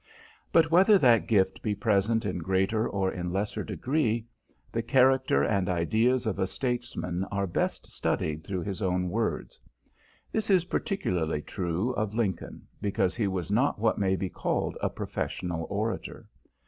But whether that gift be present in greater or in lesser degree, the character and ideas of a statesman are best studied through his own words. This is particularly true of Lincoln, because he was not what may be called a professional orator.